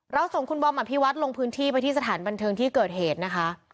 ส่งคุณบอมอภิวัตรลงพื้นที่ไปที่สถานบันเทิงที่เกิดเหตุนะคะ